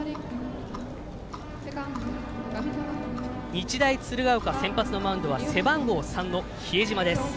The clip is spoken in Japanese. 日大鶴ヶ丘、先発のマウンドは背番号３の比江島です。